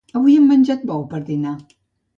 Avui hem menjat bou per dinar.